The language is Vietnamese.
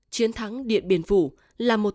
chiến thắng điện biên phủ là một